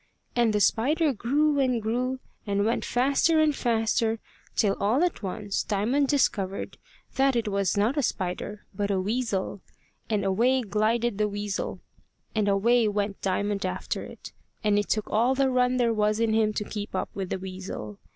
And the spider grew and grew and went faster and faster, till all at once Diamond discovered that it was not a spider, but a weasel; and away glided the weasel, and away went Diamond after it, and it took all the run there was in him to keep up with the weasel.